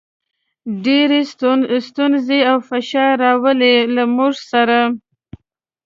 ډېرې ستونزې او فشار راولي، له موږ سره.